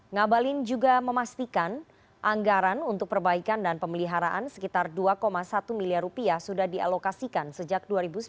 ngabalin juga memastikan anggaran untuk perbaikan dan pemeliharaan sekitar dua satu miliar rupiah sudah dialokasikan sejak dua ribu sembilan belas